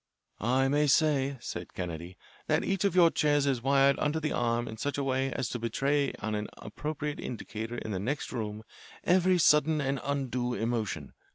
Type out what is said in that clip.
"I may say," said Kennedy, "that each of your chairs is wired under the arm in such a way as to betray on an appropriate indicator in the next room every sudden and undue emotion.